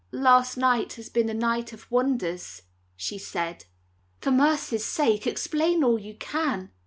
"Last night has been a night of wonders," she said. "For mercy's sake, explain all you can."